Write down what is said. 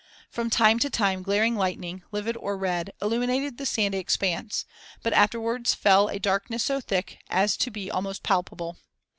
From time to time glaring lightning, livid or red, illuminated the sandy expanse, but afterwards fell a darkness so thick as to be almost palpable.